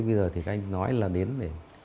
bây giờ thì các anh nói là đến để